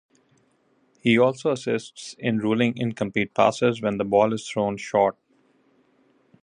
He also assists in ruling incomplete passes when the ball is thrown short.